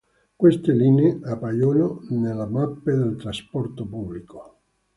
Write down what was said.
Queste linee appaiono nelle mappe del trasporto pubblico.